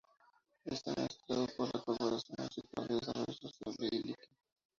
Es administrado por la Corporación Municipal de Desarrollo Social de Iquique.